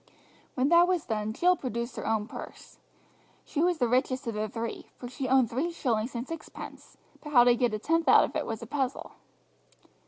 When that was done Jill produced her own purse. She was the richest of the three, for she owned three shillings and sixpence, but how to get a tenth out of it was a puzzle.